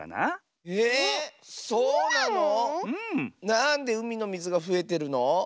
なんでうみのみずがふえてるの？